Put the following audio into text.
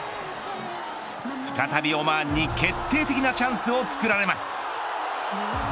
再びオマーンに決定的なチャンスを作られます。